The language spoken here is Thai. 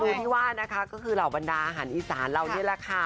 ซึ่งเมนูว่าก็คือเหล่าปัญดาอาหารอีตย์ศาลเหล่านั้นแหละค่ะ